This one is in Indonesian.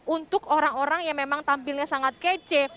untuk orang orang yang memang tampilnya sangat kece